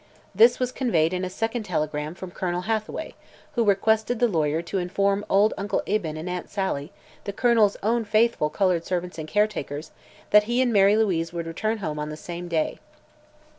This was conveyed in a second telegram from Colonel Hathaway, who requested the lawyer to inform old Uncle Eben and Aunt Sally, the Colonel's own faithful colored servants and caretakers, that he and Mary Louise would return home on the same day.